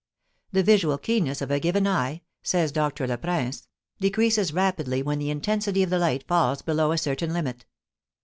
The visual keenness of a given eye, says Doctor Leprince, decreases rapidly when the intensity of the light falls below a certain limit.